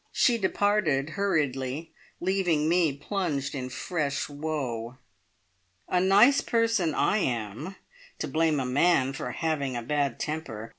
She departed hurriedly, leaving me plunged in fresh woe. A nice person I am, to blame a man for having a bad temper!